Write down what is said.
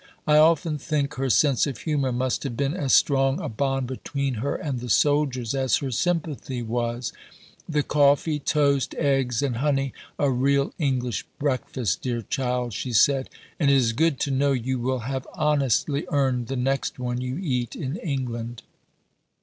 I often think her sense of humour must have been as strong a bond between her and the soldiers as her sympathy was. The coffee, toast, eggs, and honey, "a real English breakfast, dear child," she said, "and it is good to know you will have honestly earned the next one you eat in England."